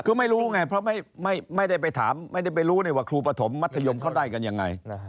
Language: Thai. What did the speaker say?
คือไม่รู้ไงเพราะไม่ได้ไปถามไม่ได้ไปรู้ว่าครูปฐมมัธยมเขาได้กันยังไง